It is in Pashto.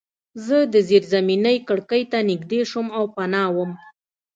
زه د زیرزمینۍ کړکۍ ته نږدې شوم او پناه وم